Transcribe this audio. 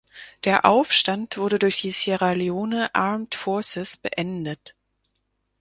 Der Aufstand wurde durch die Sierra Leone Armed Forces beendet.